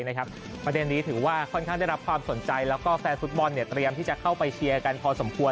ประเด็นนี้ถือว่าค่อนข้างได้รับความสนใจแล้วก็แฟนฟุตบอลเตรียมที่จะเข้าไปเชียร์กันพอสมควร